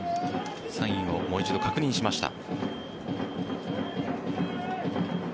サインをもう一度確認しました。